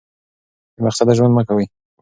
بې مقصده ژوند مه کوئ.